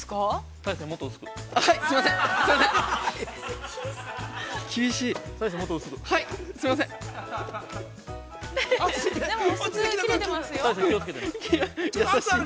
◆大聖、もっと薄く。